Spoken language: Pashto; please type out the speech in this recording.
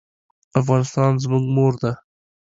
افغانستان زموږ مور ده